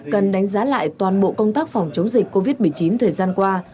cần đánh giá lại toàn bộ công tác phòng chống dịch covid một mươi chín thời gian qua